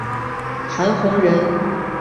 韩弘人。